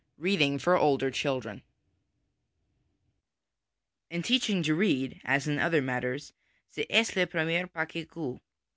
READING FOR OLDER CHILDREN In teaching to read, as in other matters, cest le premier pas qui coiite.